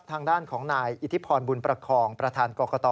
ทางด้านของนายอิทธิพรบุญประคองประธานกรกต